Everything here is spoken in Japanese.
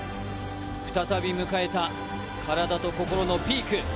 再び迎えた体と心のピーク。